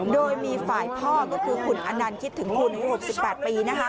โดยมีฝ่ายพ่อก็คือคุณอนันต์คิดถึงคุณ๖๘ปี